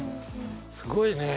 すごいね。